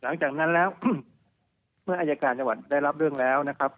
หลังจากนั้นแล้วเมื่ออายการจังหวัดได้รับเรื่องแล้วนะครับ